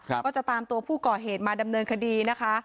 ก็จะตามตัวผู้ก่อเหตุมาดำเนินคดีนะคะ